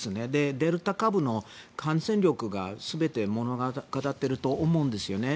デルタ株の感染力が全て物語っていると思うんですね。